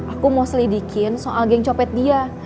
aku mau selidikin soal geng copet dia